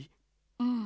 うん。